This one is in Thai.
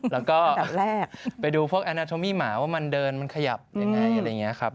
แล้วก็ไปดูพวกแอนาโทมี่หมาว่ามันเดินมันขยับอะไรอย่างนี้ครับ